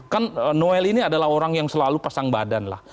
kan noel ini adalah orang yang selalu pasang badan lah